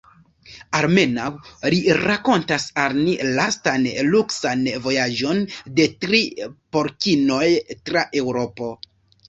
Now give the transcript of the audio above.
Almenaŭ li rakontas al ni lastan, luksan vojaĝon de tri porkinoj tra Eŭropo.